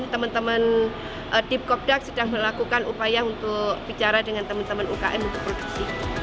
teman teman dip kopdak sedang melakukan upaya untuk bicara dengan teman teman ukm untuk produksi